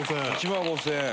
１万５０００円。